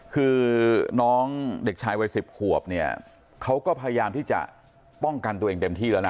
คือน้องเด็กชายวัย๑๐ขวบเนี่ยเขาก็พยายามที่จะป้องกันตัวเองเต็มที่แล้วนะ